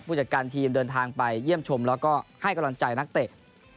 จัดการทีมเดินทางไปเยี่ยมชมแล้วก็ให้กำลังใจนักเตะ